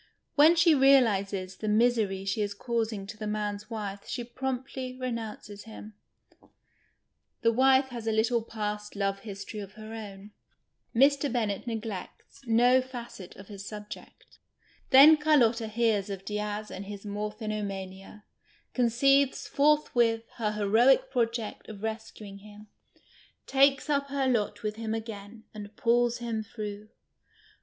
\Vlien she realizes the misery she is causing to I lie man's wife she promptly renoimces him. (The wife has a little past love history of her own — Mr. Bemutt neglects 168 Ma PA STIC UK AM) rUKJl'DICK no facet of liis subject.) Then Carlotta hears of Diaz and his niorphinoniania, conceives forthwith her lieroic project of reseuinjr him, takes uj) her lot with him again, and pulls him through.